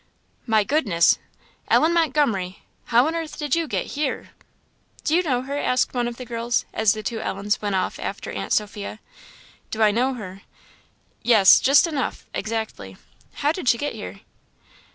"My goodness! Ellen Montgomery! how on earth did you get here?" "Do you know her?" asked one of the girls, as the two Ellens went off after "Aunt Sophia." "Do I know her? Yes just enough exactly. How did she get here?"